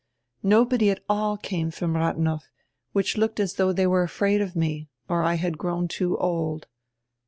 Nobody at all came from Rath enow, which looked as diough diey were afraid of me, or I had grown too old."